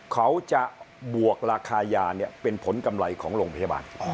เขาจะบวกราคายาเป็นผลกำไรของโรงพยาบาล